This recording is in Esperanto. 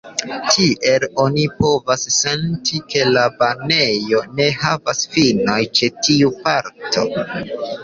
Tiel oni povas senti, ke la banejo ne havas finon ĉe tiu parto.